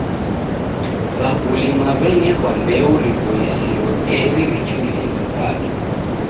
W'akuilima w'enekwa mbeu riboisiro eri richurie mapato.